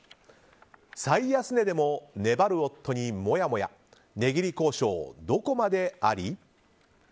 最安値でも粘る夫にもやもや値切り交渉どこまであり？